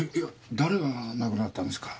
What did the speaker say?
誰が亡くなったんですか？